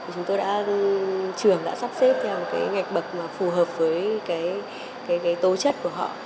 chúng tôi đã sắp xếp theo một cái ngạch bậc phù hợp với cái tố chất của họ